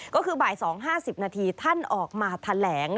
ก็คือบ่าย๒๕๐นาทีท่านออกมาแถลง